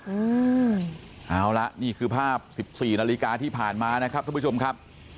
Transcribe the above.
อืมเอาละนี่คือภาพสิบสี่นาฬิกาที่ผ่านมานะครับทุกผู้ชมครับ